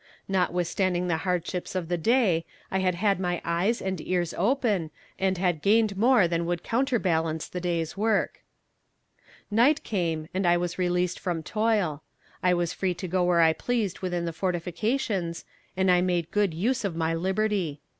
Notwithstanding the hardships of the day I had had my eyes and ears open, and had gained more than would counterbalance the day's work. Night came, and I was released from toil. I was free to go where I pleased within the fortifications, and I made good use of my liberty.